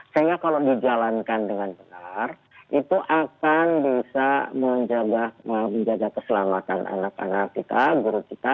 sehingga kalau dijalankan dengan benar itu akan bisa menjaga keselamatan anak anak kita guru kita